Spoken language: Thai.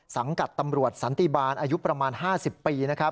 สังกัดตำรวจสันติบาลอายุประมาณ๕๐ปีนะครับ